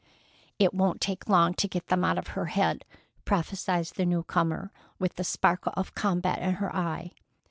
"It won't take long to get them out of her head," prophesied the new comer, with the sparkle of combat in her eye.